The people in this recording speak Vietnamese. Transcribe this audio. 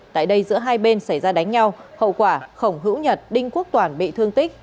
tại đây giữa hai bên xảy ra đánh nhau hậu quả khổng hữu nhật đinh quốc toàn bị thương tích